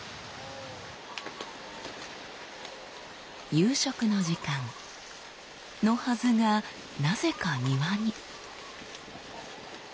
夕食の時間。のはずがなぜか庭に。